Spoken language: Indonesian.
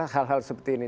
hal hal seperti ini